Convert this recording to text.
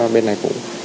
bên này cũng